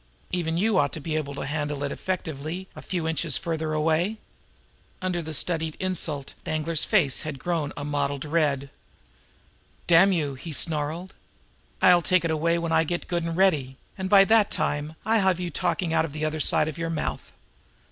Even you ought to be able to handle it effectively a few inches farther away." Under the studied insult Danglar's face had grown a mottled red. "Damn you!" he snarled. "I'll take it away when I get good and ready; and by that time I'll have you talking out of the other side of your mouth!